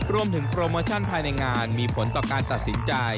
รวมถึงโปรโมชั่นภายในงานมีผลต่อการตัดสินใจ